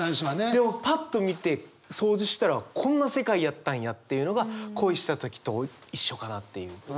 でもパッと見て掃除したらこんな世界やったんやっていうのが恋した時と一緒かなっていう。